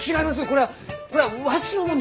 これはこれはわしのもんです！